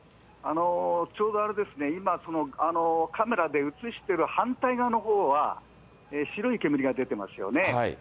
ちょうどあれですね、今、カメラで映してる反対側のほうは、白い煙が出ていますよね。